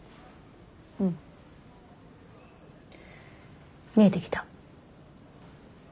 うん見えてきた。